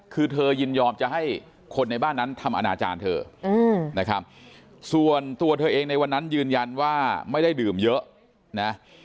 คือเธอยินยอมจะให้คนในบ้านนั้นทำอนาจารย์เธอนะครับส่วนตัวเธอเองในวันนั้นยืนยันว่าไม่ได้ดื่มเยอะนะ